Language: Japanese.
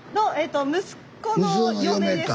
息子の嫁です。